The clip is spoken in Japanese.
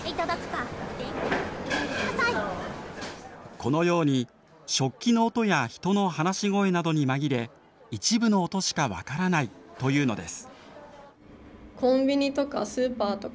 このように食器の音や人の話し声などに紛れ一部の音しか分からないというのです。